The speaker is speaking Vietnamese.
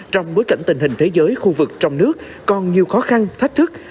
trong bối cảnh tình hình thế giới khu vực trong nước còn nhiều khó khăn thách thức